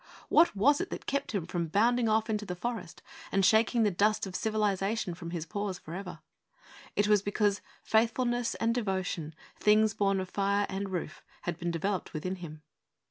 What was it that kept him from bounding off into the forest and shaking the dust of civilization from his paws for ever? It was because 'faithfulness and devotion, things born of fire and roof,' had been developed within him.